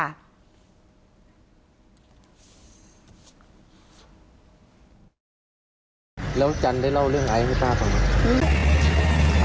แล้วจันทร์ได้เล่าเรื่องไอซ์ไม่กล้าบอกเลยอะไรแล้วอะไร